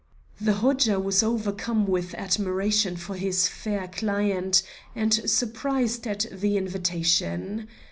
The Hodja was overcome with admiration for his fair client, and surprised at the invitation.